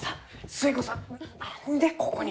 寿恵子さん、何で、ここに？